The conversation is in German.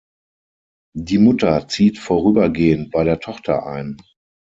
Die Mutter zieht vorübergehend bei der Tochter ein.